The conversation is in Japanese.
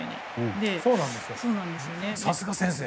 さすが先生！